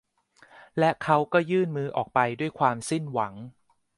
และเขาก็ยื่นมืออกไปด้วยความสิ้นหวัง